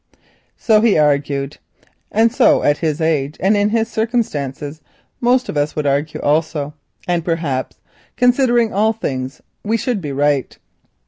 So he argued. And so at his age and in his circumstances most of us would argue also, and, perhaps, considering all things, we should be right.